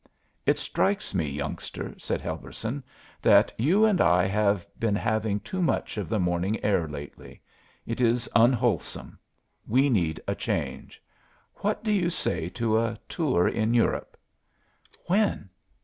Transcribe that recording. "It strikes me, youngster," said Helberson, "that you and I have been having too much of the morning air lately. It is unwholesome; we need a change. What do you say to a tour in Europe?" "When?"